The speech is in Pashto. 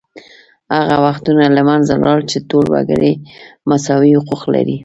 هغه وختونه له منځه لاړل چې ټول وګړي مساوي حقوق لري